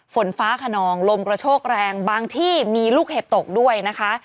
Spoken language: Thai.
ฝนฟ้าขนองลมกระโชกแรงบางที่มีลูกเห็บตกด้วยนะคะ